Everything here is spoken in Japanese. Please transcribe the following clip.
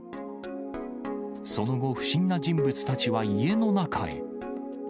その後、不審な人物たちは家の中へ。